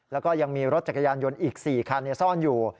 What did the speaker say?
แล้วก็ยังมีรถจักรยานยนต์อีก๔คันซ่อนอยู่